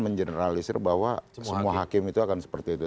mengeneralisir bahwa semua hakim itu akan seperti itu